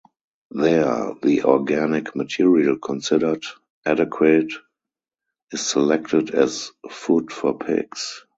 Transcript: There, the organic material considered adequate is selected as food for pigs.